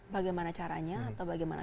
bagaimana caranya atau bagaimana